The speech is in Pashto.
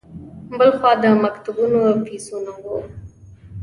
بل خوا د مکتبونو فیسونه وو.